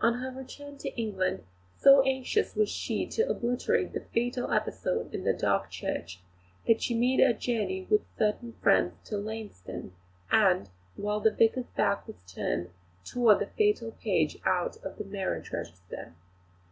On her return to England, so anxious was she to obliterate that fatal episode in the dark church, she made a journey with certain friends to Lainston, and, while the vicar's back was turned, tore the fatal page out of the marriage register.